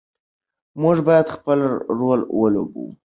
موږ باید خپل رول ولوبوو.